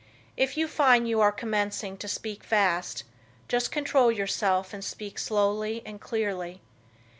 If you find you are commencing to speak fast, just control yourself and speak slowly and clearly.